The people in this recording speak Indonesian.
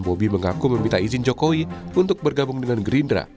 bobi mengaku meminta izin jokowi untuk bergabung dengan gerindra